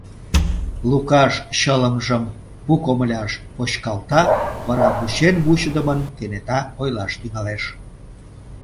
Лукаш чылымжым пу комыляш почкалта, вара вучен-вучыдымын кенета ойлаш тӱҥалеш.